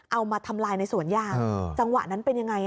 เอามาทำลายในสวนยางจังหวะนั้นเป็นยังไง